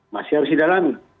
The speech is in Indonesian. masih harus didalami